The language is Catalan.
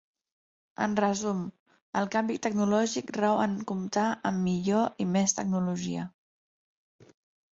En resum, el canvi tecnològic rau en comptar amb millor i més tecnologia.